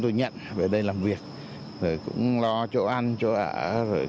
doanh nghiệp cho fuss của giới tài liệuign